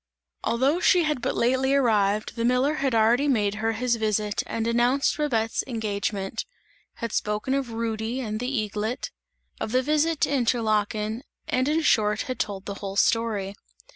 Although she had but lately arrived, the miller had already made her his visit and announced Babette's engagement; had spoken of Rudy and the eaglet; of the visit to Interlaken and in short had told the whole story.